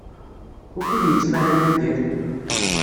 Wukud yettmahal Yidir?